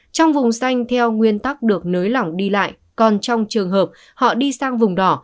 trong vùng xanh theo nguyên tắc được nới lỏng đi lại còn trong trường hợp họ đi sang vùng đỏ